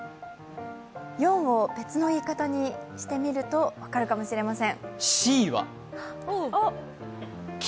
４を別の言い方にしてみると分かるかもしれません。